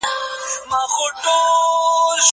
زه اجازه لرم چي کتاب وليکم!!!!